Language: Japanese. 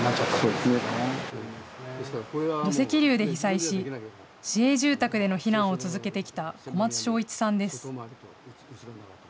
土石流で被災し、市営住宅での避難を続けてきた小松昭一さんです。